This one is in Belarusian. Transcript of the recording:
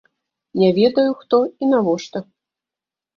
Не ведаю, хто і навошта.